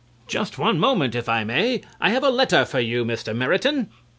Just one moment if I may. I have a letter for you, Mr. Meriton.